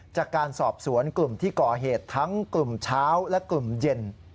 จากการสอบสวนกลุ่มที่ก่อเหตุทั้งกลุ่มเช้าและกลุ่มเย็น